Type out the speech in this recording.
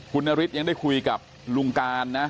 คุณนฤทธิ์ยังได้คุยกับลุงการนะ